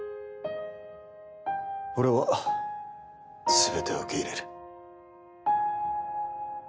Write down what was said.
俺は全てを受け入れる。